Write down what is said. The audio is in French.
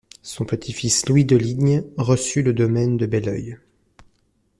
Son petit-fils Louis, de Ligne, reçut le domaine de Belœil.